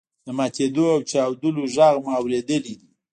د ماتیدو او چاودلو غږ مو اوریدلی دی.